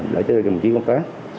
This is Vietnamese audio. để cho đồng chí công tác